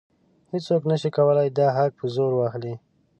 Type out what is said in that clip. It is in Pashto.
هیڅوک نشي کولی دا حق په زور واخلي.